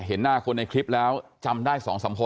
โน้นแดงคือ